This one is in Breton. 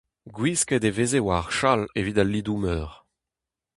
Gwisket e veze war ar chal, evit al lidoù meur.